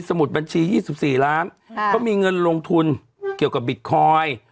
มุดบัญชี๒๔ล้านเขามีเงินลงทุนเกี่ยวกับบิตคอยน์